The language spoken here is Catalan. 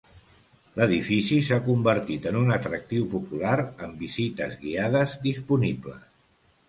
L'edifici s'ha convertit en un atractiu popular amb visites guiades disponibles.